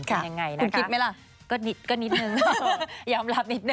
ค่ะโฟนดูชิว